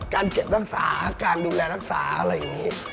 การเก็บรักษาการดูแลรักษาอะไรอย่างนี้